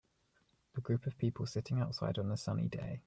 A group of people sitting outside on a sunny day.